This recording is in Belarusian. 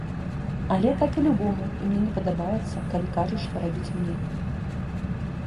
Але так і любому, і мне не падабаецца, калі кажуць, што рабіць мне.